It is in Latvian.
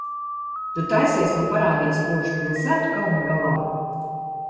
Tu taisies man parādīt spožu pilsētu kalna galā?